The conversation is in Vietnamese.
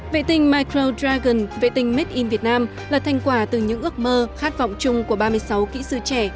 vệ tinh micro dragon vệ tinh made in việt nam là thành quả từ những ước mơ khát vọng chung của ba mươi sáu kỹ sư trẻ